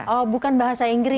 oh bukan bahasa inggris